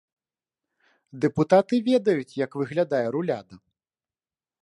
Дэпутаты ведаюць, як выглядае руляда.